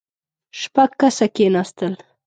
شپږ کسه کېناستل.